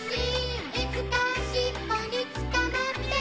「いつかしっぽに捕まって」